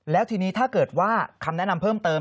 แล้วทีนี้ถ้าเกิดว่าคำแนะนำเพิ่มเติม